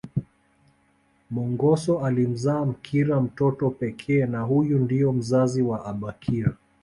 Mongoso alimzaa Mkira mtoto pekee na huyu ndo mzazi wa abakira